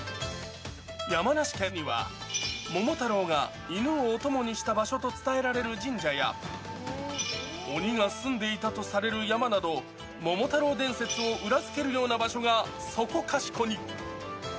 山梨県には、桃太郎が犬をお供にしたとされる神社や、鬼が住んでいたとされる山など、桃太郎伝説を裏付けるような場所がそこかしこに。